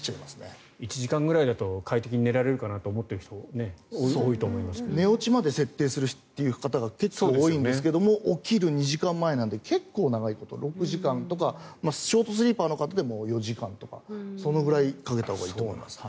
１時間ぐらいだと快適に寝られるかなと思っている人寝落ちまで設定する方結構多いんですが起きる２時間前までなので結構長いこと６時間とかショートスリーパーの方でも４時間とかそれくらいかけたほうがいいと思います。